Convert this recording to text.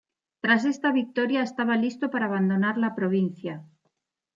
Tras esta victoria estaba listo para abandonar la provincia.